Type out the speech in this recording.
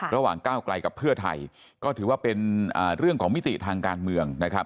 ก้าวไกลกับเพื่อไทยก็ถือว่าเป็นเรื่องของมิติทางการเมืองนะครับ